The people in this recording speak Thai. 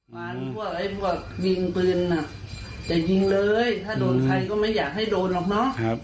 พวกไอ้พวกยิงปืนน่ะอย่ายิงเลยถ้าโดนใครก็ไม่อยากให้โดนหรอกเนอะ